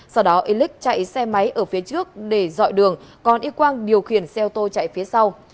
sau đó elic chạy xe máy ở phía trước để dọi đường còn y quang điều khiển xe ô tô chạy phía sau